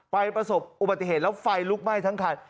ประสบอุบัติเหตุแล้วไฟลุกไหม้ทั้งคัน